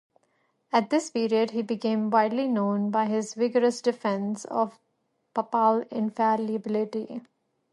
At this period he became widely known by his vigorous defence of papal infallibility.